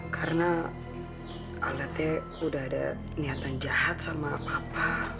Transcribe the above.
karena alda teh udah ada niatan jahat sama papa